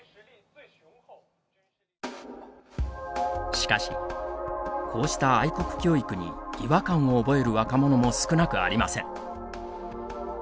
しかし、こうした愛国教育に違和感を覚える若者も少なくありません。